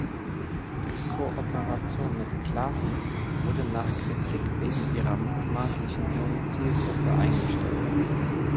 Die Kooperation mit Claßen wurde nach Kritik wegen ihrer mutmaßlich jungen Zielgruppe eingestellt.